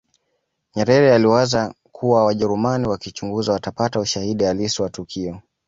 nyerere aliwaza kuwa wajerumani wakichunguza watapata ushahidi halisi wa tukio